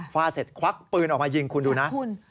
ฟาดเสร็จควักปืนออกมายิงคุณดูนะคุณ